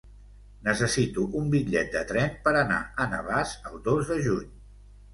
Necessito un bitllet de tren per anar a Navàs el dos de juny.